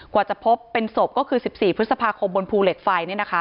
กว่าจะพบเป็นศพก็คือ๑๔พฤษภาคมบนภูเหล็กไฟ